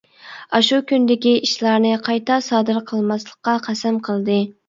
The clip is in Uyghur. ئاشۇ كۈندىكى ئىشلارنى قايتا سادىر قىلماسلىققا قەسەم قىلدى.